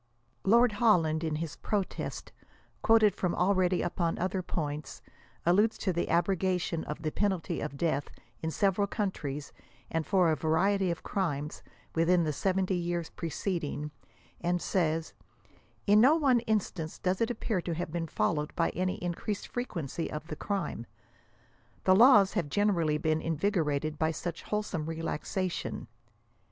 Lord Holland, in his protest, quoted from already upon other points, alludes to the abrogation of the penalty of death in save, ral countries and for a variety of crimes, within the 70 years pre, ceding, and says '< in no one instance does it appear to have been followed by any increased frequency of the crime. The laws have generally been invigorated by such wholesome re laxation."